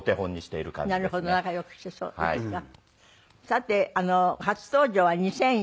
さて初登場は２００４年。